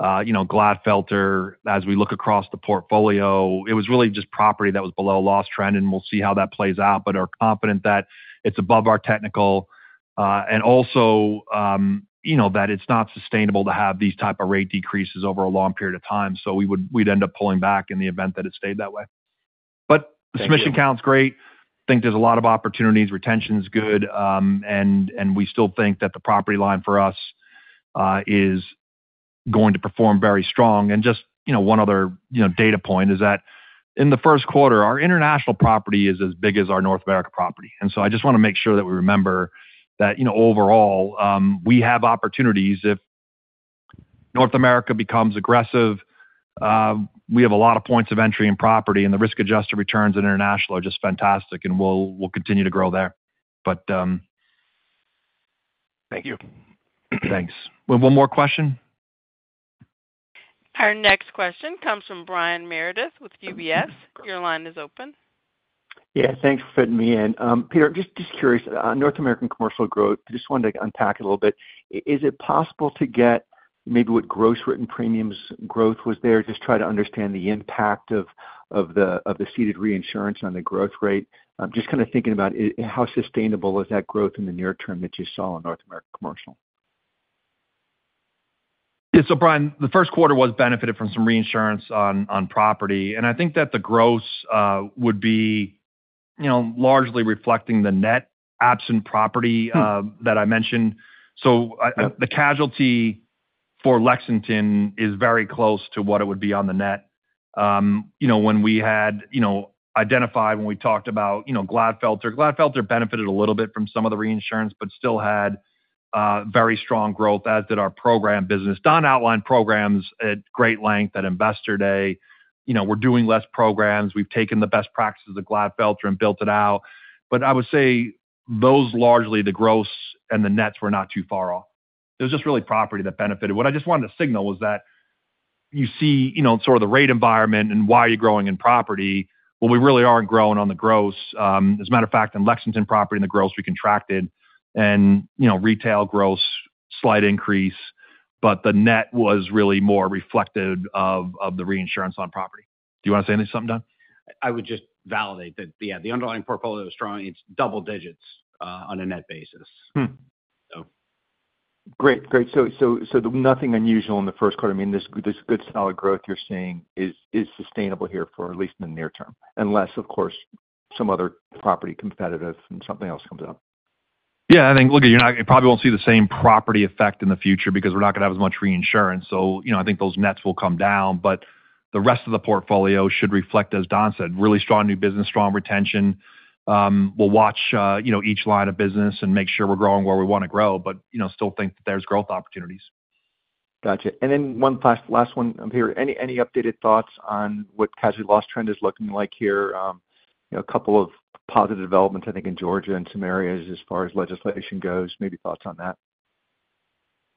really good comments on that. Casualty is above loss trend. Glatfelter, as we look across the portfolio, it was really just property that was below loss trend, and we'll see how that plays out. We're confident that it's above our technical and also that it's not sustainable to have these type of rate decreases over a long period of time. We'd end up pulling back in the event that it stayed that way. Submission count is great. I think there's a lot of opportunities. Retention is good. We still think that the property line for us is going to perform very strong. Just one other data point is that in the first quarter, our international property is as big as our North America Property. I just want to make sure that we remember that overall, we have opportunities. If North America becomes aggressive, we have a lot of points of entry in property, and the risk-adjusted returns in international are just fantastic, and we'll continue to grow there.
Thank you.
Thanks. One more question.
Our next question comes from Brian Meredith with UBS. Your line is open.
Yeah. Thanks for fitting me in. Peter, just curious. North American commercial growth, I just wanted to unpack it a little bit. Is it possible to get maybe what gross written premiums growth was there? Just try to understand the impact of the ceded reinsurance on the growth rate. Just kind of thinking about how sustainable is that growth in the near term that you saw in North America Commercial?
Brian, the first quarter was benefited from some reinsurance on property. I think that the gross would be largely reflecting the net absent property that I mentioned. The casualty for Lexington is very close to what it would be on the net. When we had identified, when we talked about Glatfelter, Glatfelter benefited a little bit from some of the reinsurance, but still had very strong growth, as did our program business. Don outlined programs at great length at Investor Day. We're doing less programs. We've taken the best practices of Glatfelter and built it out. I would say those largely the gross and the nets were not too far off. There's just really property that benefited. What I just wanted to signal was that you see sort of the rate environment and why you're growing in property. We really aren't growing on the gross. As a matter of fact, in Lexington Property, the gross we contracted and retail gross slight increase, but the net was really more reflective of the reinsurance on property. Do you want to say something, Don?
I would just validate that, yeah, the underlying portfolio is strong. It's double digits on a net basis.
Great. Great. Nothing unusual in the first quarter. I mean, this good solid growth you're seeing is sustainable here for at least in the near term, unless, of course, some other property competitive and something else comes up.
Yeah. I think, look, you probably won't see the same property effect in the future because we're not going to have as much reinsurance. So I think those nets will come down. The rest of the portfolio should reflect, as Don said, really strong new business, strong retention. We'll watch each line of business and make sure we're growing where we want to grow, but still think that there's growth opportunities.
Gotcha. One last one here. Any updated thoughts on what casualty loss trend is looking like here? A couple of positive developments, I think, in Georgia and some areas as far as legislation goes. Maybe thoughts on that.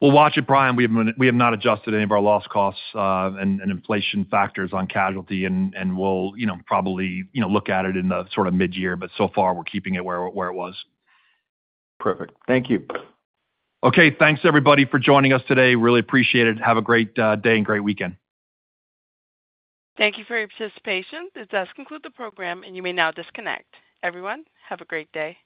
We'll watch it, Brian. We have not adjusted any of our loss costs and inflation factors on casualty, and we'll probably look at it in the sort of mid-year. So far, we're keeping it where it was.
Perfect. Thank you.
Okay. Thanks, everybody, for joining us today. Really appreciate it. Have a great day and great weekend.
Thank you for your participation. This does conclude the program, and you may now disconnect. Everyone, have a great day.